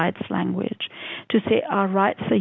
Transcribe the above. untuk mengatakan bahwa hak kita